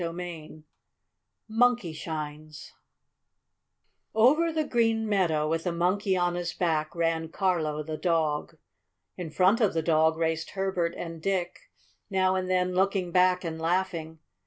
CHAPTER V MONKEYSHINES Over the green meadow, with the Monkey on his back, ran Carlo the dog. In front of the dog raced Herbert and Dick, now and then looking back and laughing.